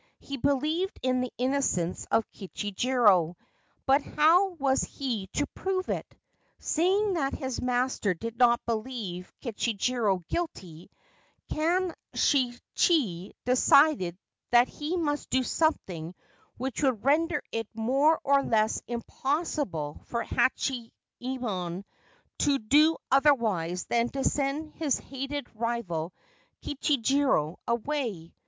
He believed in the innocence of Kichijiro ; but how was he to prove it? Seeing that his master did not believe Kichijiro guilty, Kanshichi decided that he must do something which would render it more or less impossible for Hachiyemon to do otherwise than to send his hated rival Kichijiro away.